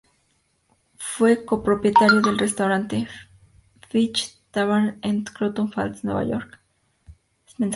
Fue co-propietario del restaurante Finch Tavern en Croton Falls, Nueva York.